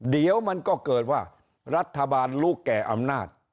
เดี๋ยวมันก็เกิดว่ารัฐบาลรู้แก่อำนาจ